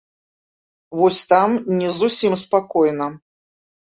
Вось там не зусім спакойна.